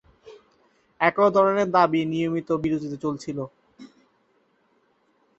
একই ধরণের দাবি নিয়মিত বিরতিতে চলছিল।